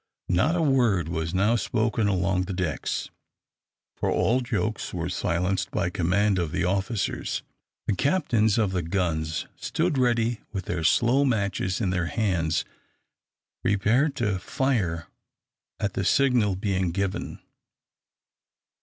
Not a word was now spoken along the decks, for all jokes were silenced by command of the officers. The captains of the guns stood ready with their slow matches in their hands, prepared to fire at the signal being given.